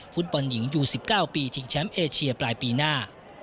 ฟุตบอลหญิงอยู่๑๙ปีชิงแชมป์เอเชียปลายปีหน้า